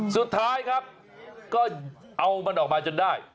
สุดท้ายครับก็เอามันออกมาจนได้